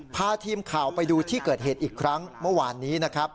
พาทีมข่าวไปดูที่เกิดเหตุอีกครั้งเมื่อวานนี้นะครับ